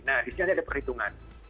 nah disini ada perhitungan